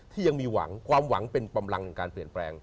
ที่ยังมีหวังความหวังเป็นกำลังแห่งการเปลี่ยนแปลง